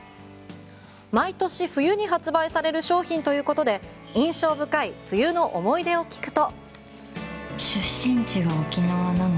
毎年冬に発売される商品ということで印象深い冬の思い出を聞くと。